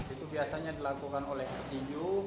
itu biasanya dilakukan oleh peti ju